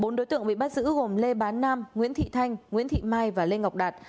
bốn đối tượng bị bắt giữ gồm lê bán nam nguyễn thị thanh nguyễn thị mai và lê ngọc đạt